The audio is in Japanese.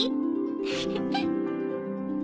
フフフ。